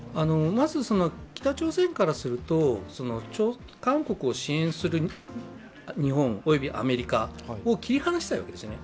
まず、北朝鮮からすると、韓国を支援する日本及びアメリカを切り離したいわけですよね。